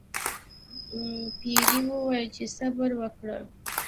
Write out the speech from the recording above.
پیري وویل چې صبر وکړه.